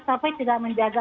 tapi tidak menjaga